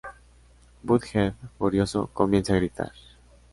Butt-Head, furioso, comienza a gritar.